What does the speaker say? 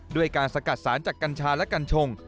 ด้วยการสกัดสารจากกัญชาและกัญชง